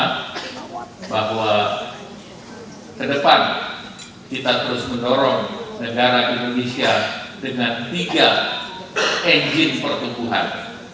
karena bahwa ke depan kita terus mendorong negara indonesia dengan tiga enjin pertumbuhan